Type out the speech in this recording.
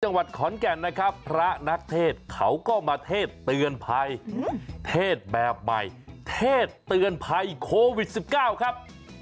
จังหวัดขอนแก่นนะครับพระนักเทศเขาก็มาเทศเตือนภัยเทศแบบใหม่เทศเตือนภัยโควิด๑๙ครับ